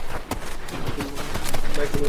শশী অধীরভাবে বলিল, একদিন কিন্তু যেতে।